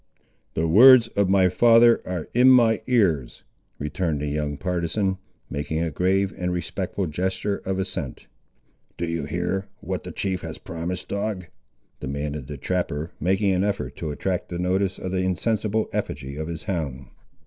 "The words of my father are in my ears," returned the young partisan, making a grave and respectful gesture of assent. "Do you hear, what the chief has promised, dog?" demanded the trapper, making an effort to attract the notice of the insensible effigy of his hound.